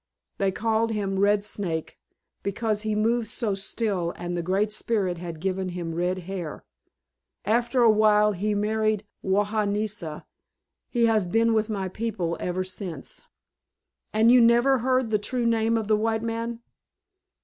They called him 'Red Snake' because he moved so still and the Great Spirit had given him red hair. After a while he married Wahahnesha. He has been with my people ever since." "And you never heard the true name of the white man?"